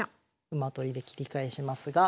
馬取りで切り返しますが。